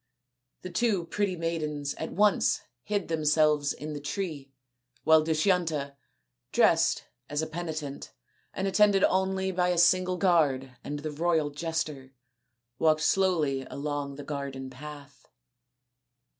The two pretty maidens at once hid themselves in the tree while Dushyanta, dressed as a penitent and attended only by a single guard and the royal jester, walked slowly along the garden path.